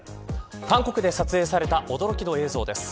韓国で撮影された驚きの映像です。